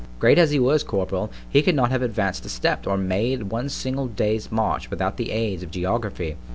_——Great as he was, corporal, he could not have advanced a step, or made one single day's march without the aids of _Geography.